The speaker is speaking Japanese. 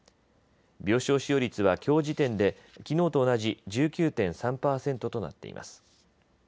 病床使用率はきょう時点できのうと同じ１９．３％となっています。